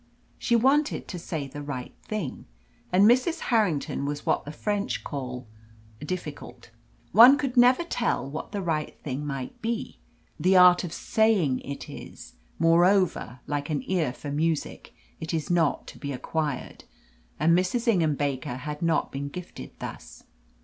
She wanted to say the right thing. And Mrs. Harrington was what the French call "difficult." One could never tell what the right thing might be. The art of saying it is, moreover, like an ear for music, it is not to be acquired. And Mrs. Ingham Baker had not been gifted thus.